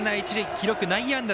記録は内野安打。